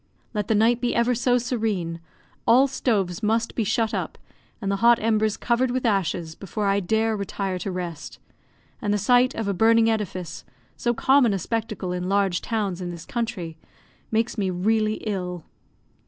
Let the night be ever so serene, all stoves must be shut up, and the hot embers covered with ashes, before I dare retire to rest; and the sight of a burning edifice, so common a spectacle in large towns in this country, makes me really ill.